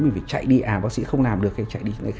mình phải chạy đi à bác sĩ không làm được